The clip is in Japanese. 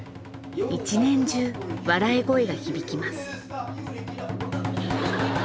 １年中笑い声が響きます。